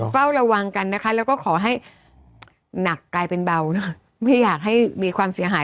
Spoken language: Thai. เฝ้าระวังกันนะคะแล้วก็ขอให้หนักกลายเป็นเบานะไม่อยากให้มีความเสียหาย